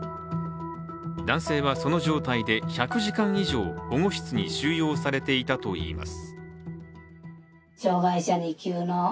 男性はその状態で１００時間以上保護室に収容されていたといいます。